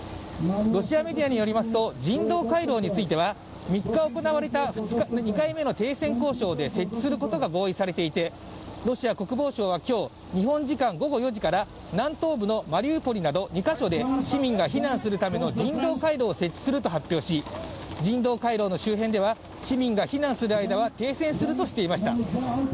ロシアメディアによりますと人道回廊については３日行われた２回目の停戦交渉で設置することが合意されていて、ロシア国防省は今日、日本時間午後４時から、南東部のマリウポリなど２カ所で市民が避難するための人道回廊を設置すると発表し、人道回廊の周辺では市民が避難する間は停戦するとしていました。